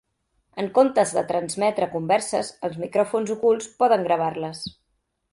En comptes de transmetre converses, els micròfons ocults poden gravar-les.